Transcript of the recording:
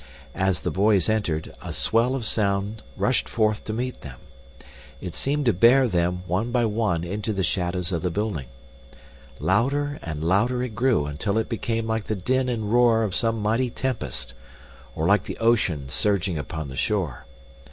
As the boys entered, a swell of sound rushed forth to meet them. It seemed to bear them, one by one, into the shadows of the building. Louder and louder it grew until it became like the din and roar of some mighty tempest, or like the ocean surging upon the shore.